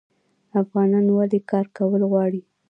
افغانان ولې کار کول غواړي؟